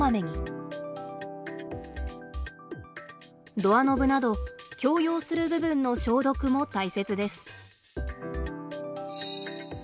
ドアノブなど共用する部分の消毒も大切です。